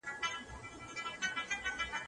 انا وویل چې ژوند د ازمېښتونو ځای دی.